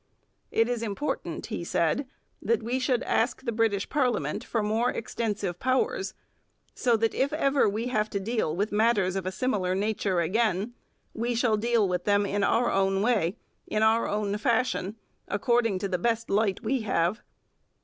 'It is important,' he said, 'that we should ask the British parliament for more extensive powers, so that if ever we have to deal with matters of a similar nature again, we shall deal with them in our own way, in our own fashion, according to the best light we have.'